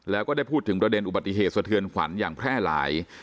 แล้วก็ได้พูดถึงประเด็นอุบัติเหตุสะเทือนขวัญอย่างแพร่หลาย